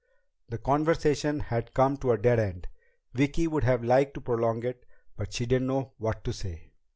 The conversation had come to a dead end. Vicki would have liked to prolong it, but she didn't know what to say.